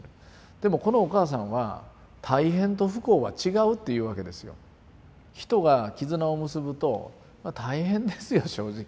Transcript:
でもこのお母さんは「大変と不幸は違う」っていうわけですよ。人が絆を結ぶと大変ですよ正直。